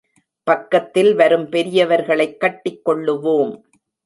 பக்கத்தில் வரும் பெரியவர்களைக் கட்டிக் கொள்ளுவோம்.